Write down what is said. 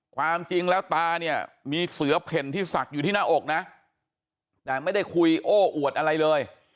ความจริงแล้วตาเนี่ยมีเสือเพ่นที่ศักดิ์อยู่ที่หน้าอกนะแต่ไม่ได้คุยโอ้อวดอะไรเลย